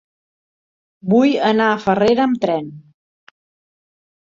Vull anar a Farrera amb tren.